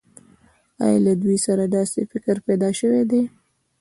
آیا له دوی سره داسې فکر پیدا شوی دی